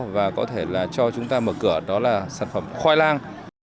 và có thể là cho chúng ta mở cửa đó là sản phẩm khoai lang